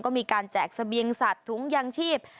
ก็มีการแจกเสบียงสัตว์ถุงยางชีพ